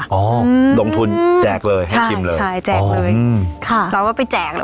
อ๋ออืมลงทุนแจกเลยใช่ใช่แจกเลยอืมค่ะเราก็ไปแจกเลย